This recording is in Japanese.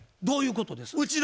どういうことですか？